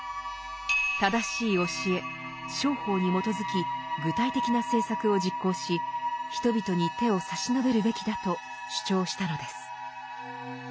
正しい教え「正法」に基づき具体的な政策を実行し人々に手を差し伸べるべきだと主張したのです。